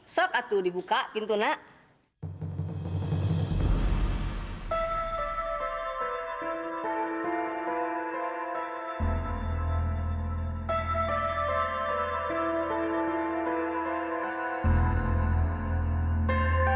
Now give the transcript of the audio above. sok atu dibuka pintu nak